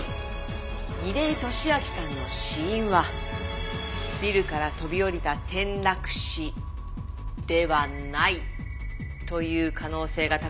楡井敏秋さんの死因はビルから飛び降りた転落死ではないという可能性が高い事がわかった。